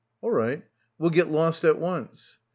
"All right, we'll get lost at once."